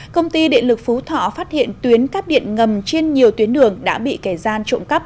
công ty điện lực phú thọ phát hiện tuyến cắp điện ngầm trên nhiều tuyến đường đã bị kẻ gian trộm cắp